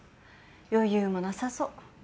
余裕もなさそう。